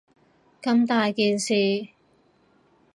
咁大件事